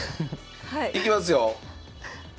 いきますよ。